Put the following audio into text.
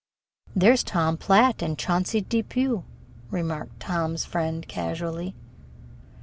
"There's Tom Platt and Chauncey Depew," remarked Tom's friend casually.